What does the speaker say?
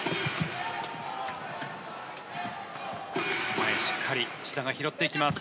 前、しっかり志田が拾っていきます。